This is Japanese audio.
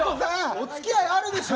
おつきあいあるでしょ！